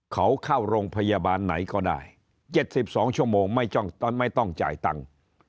เขาเข้าโรงพยาบาลไหนก็ได้๗๒ชั่วโมงไม่ต้องจ่ายตังค์